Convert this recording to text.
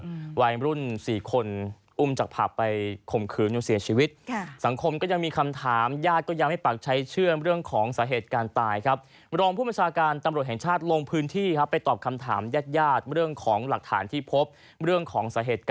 อืมวัยรุ่นสี่คนอุ้มจากผัพไปขมขืนจงเสียชีวิต